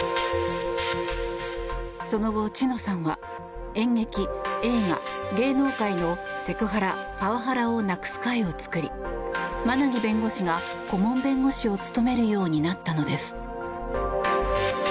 その後、知乃さんは演劇・映画・芸能界のセクハラ・パワハラをなくす会を作り馬奈木弁護士が顧問弁護士を務めるようになったのです。